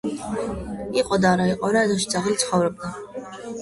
იყო და არა იყო რა ეზოში ძაღლი ცხოვრობდა